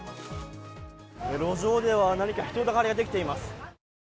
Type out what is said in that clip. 路上では何か人だかりができています。